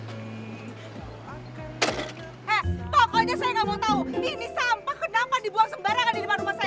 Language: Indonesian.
he pokoknya saya nggak mau tahu ini sampah kenapa dibuang sembarangan di depan rumah saya